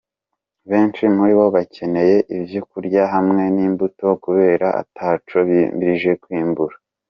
Benshi muri bo bakeneye ivyo kurya hamwe n'imbuto kubera ataco bimirije kwimbura.